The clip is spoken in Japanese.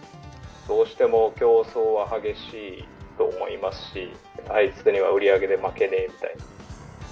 どうしても競争は激しいと思いますし、あいつには売り上げで負けねえみたいな。